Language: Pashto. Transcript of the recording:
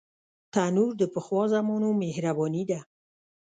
تنور د پخوا زمانو مهرباني ده